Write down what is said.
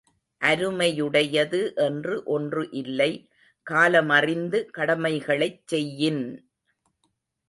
அருமையுடையது என்று ஒன்று இல்லை காலமறிந்து கடமைகளைச் செய்யின்!